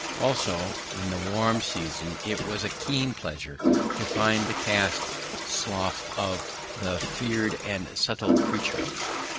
Also in the warm season it was a keen pleasure to find the cast slough of the feared and subtle creature.